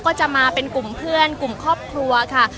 ก็จะมาเป็นกลุ่มเพื่อนกลุ่มครอบครัวค่ะ